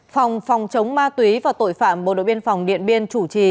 phòng phòng chống ma túy và tội phạm bộ đội biên phòng điện biên chủ trì